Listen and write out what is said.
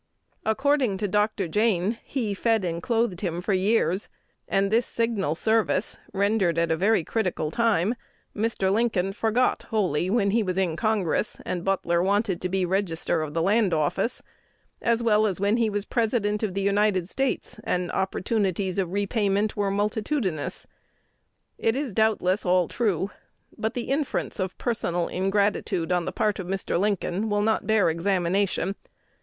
According to Dr. Jayne, he "fed and clothed him for years;" and this signal service, rendered at a very critical time, Mr. Lincoln forgot wholly when he was in Congress, and Butler wanted to be Register of the Land Office, as well as when he was President of the United States, and opportunities of repayment were multitudinous. It is doubtless all true; but the inference of personal ingratitude on the part of Mr. Lincoln will not bear examination.